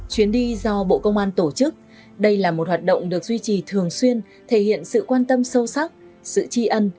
chuyến đi do bộ công an tổ chức đây là một hoạt động được duy trì thường xuyên thể hiện sự quan tâm sâu sắc sự tri ân